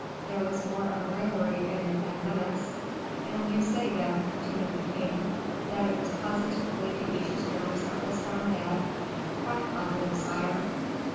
There was more of raillery in it than menace. "And you say, then," continued the king, "that it was positively De Guiche's horse that was found dead?" "Quite positive, sire."